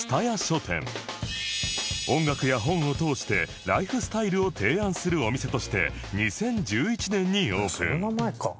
音楽や本を通してライフスタイルを提案するお店として２０１１年にオープン